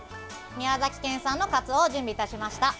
宮崎県産のカツオを準備いたしました。